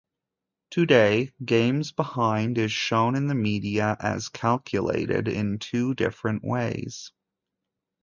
Today, games behind is shown in the media as calculated in two different ways.